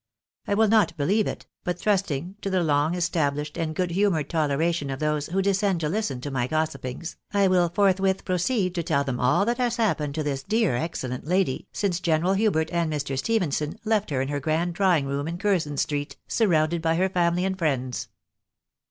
I will not believe it, but trusting to the long established and good humoured toleration of those who descend to listen to my gossipings, I wiU forthwith pro ceed to tell them all that has happened to this dear excellent lady Jsince General Hubert and Mr. Stephenson left her in her grand drawing room in Curzon street, surrounded by her family and friends.